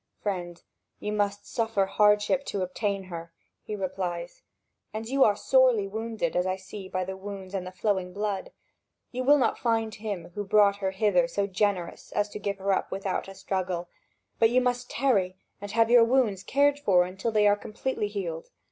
"Friend, you must suffer hardship to obtain her," he replies; "and you are sorely wounded, as I see by the wounds and the flowing blood. You will not find him who brought her hither so generous as to give her up without a struggle; but you must tarry, and have your wounds cared for until they are completely healed.